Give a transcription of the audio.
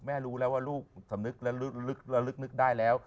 รู้แล้วว่าลูกสำนึกและลึกนึกได้แล้ว